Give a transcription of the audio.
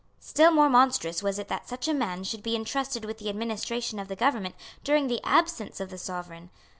Still more monstrous was it that such a man should be entrusted with the administration of the government during the absence of the Sovereign.